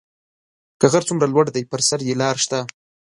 که غر څومره لوړ دی پر سر یې لار شته